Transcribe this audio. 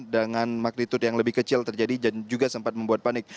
dengan magnitude yang lebih kecil terjadi dan juga sempat membuat panik